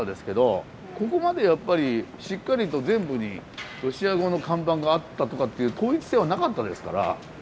ここまでやっぱりしっかりと全部にロシア語の看板があったとかっていう統一性はなかったですから。